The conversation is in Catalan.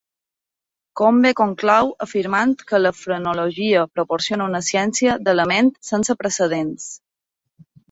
Combe conclou afirmant que la frenologia proporciona una ciència de la ment sense precedents.